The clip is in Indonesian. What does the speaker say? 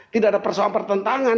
tidak ada persoalan pertentangan